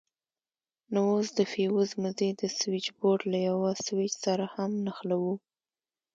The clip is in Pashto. نو اوس د فيوز مزي د سوېچبورډ له يوه سوېچ سره هم نښلوو.